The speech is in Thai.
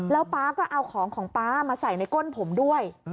แล้วป๊าก็เอาของของป๊ามาใส่ในก้นผมด้วย